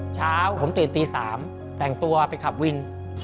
เช้าผมตื่นตี๓แต่งตัวไปขับวิน